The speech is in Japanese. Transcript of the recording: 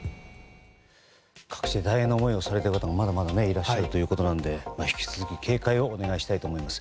各地で大変な思いをされている方もまだまだいらっしゃるということなので引き続き警戒をお願いしたいと思います。